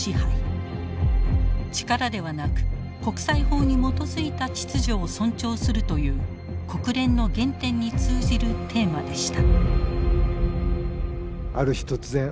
力ではなく国際法に基づいた秩序を尊重するという国連の原点に通じるテーマでした。